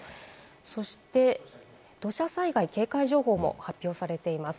そして土砂災害警戒情報も発表されています。